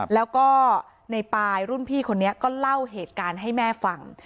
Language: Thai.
แล้วก็ในปายรุ่นพี่คนนี้ก็เล่าเหตุการณ์ให้แม่ฟัง